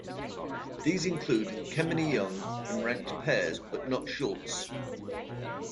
These include Kemeny-Young and ranked pairs, but not Schulze.